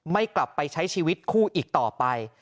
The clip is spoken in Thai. ไม่กลับไปใช้ชีวิตคู่อีกต่อไป